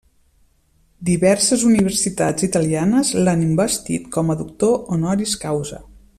Diverses universitats italianes l'han investit com a doctor honoris causa.